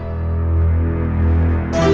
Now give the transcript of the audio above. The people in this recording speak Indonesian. tunggu aku mau ke toilet